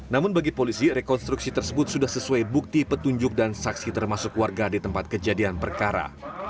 namun bagi polisi rekonstruksi tersebut sudah sesuai bukti petunjuk dan saksi termasuk warga di tempat kejadian perkara